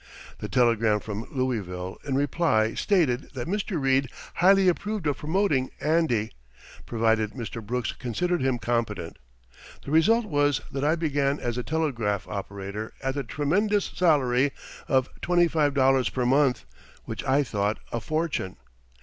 The telegram from Louisville in reply stated that Mr. Reid highly approved of promoting "Andy," provided Mr. Brooks considered him competent. The result was that I began as a telegraph operator at the tremendous salary of twenty five dollars per month, which I thought a fortune.